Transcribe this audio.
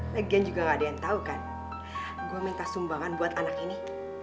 lagian juga gak ada yang tahu kan gue minta sumbangan buat anak ini